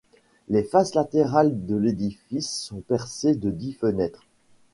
Les faces latérales de l'édifice sont percées de dix fenêtres.